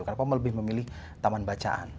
kenapa lebih memilih taman bacaan